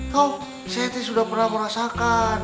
tau saya tuh sudah pernah merasakan